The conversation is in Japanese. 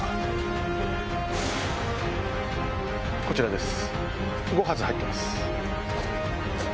こちらです。